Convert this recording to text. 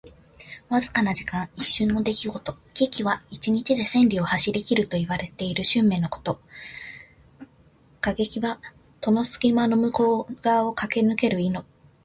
わずかな時間。一瞬の出来事。「騏驥」は一日で千里を走りきるといわれる駿馬のこと。「過隙」は戸の隙間の向こう側をかけぬける意。